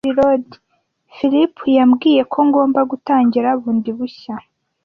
Philip yambwiye ko ngomba gutangira bundi bushya.